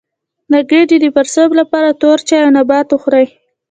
د ګیډې د پړسوب لپاره تور چای او نبات وخورئ